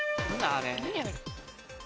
あれ。